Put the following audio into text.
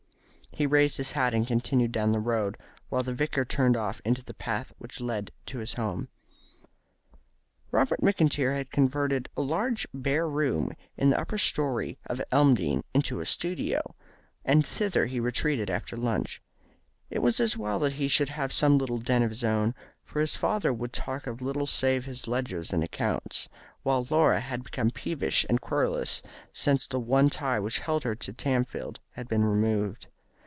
He raised his hat and continued down the road, while the vicar turned off into the path which led to his home. Robert McIntyre had converted a large bare room in the upper storey of Elmdene into a studio, and thither he retreated after lunch. It was as well that he should have some little den of his own, for his father would talk of little save of his ledgers and accounts, while Laura had become peevish and querulous since the one tie which held her to Tamfield had been removed.